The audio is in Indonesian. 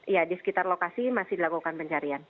ya di sekitar lokasi masih dilakukan pencarian